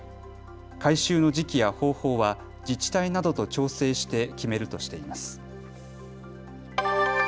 回収の時期や方法は自治体などと調整して決めるとしています。